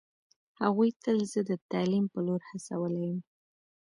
هغوی تل زه د تعلیم په لور هڅولی یم